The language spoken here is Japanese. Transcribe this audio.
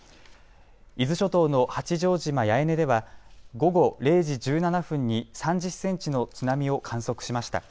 伊豆諸島の八丈島八重根では午後０時１７分に３０センチの津波を観測しました。